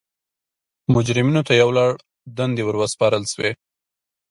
مجرمینو ته یو لړ دندې ور وسپارل شوې.